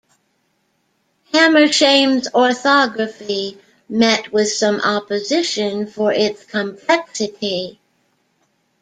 Hammershaimb's orthography met with some opposition for its complexity.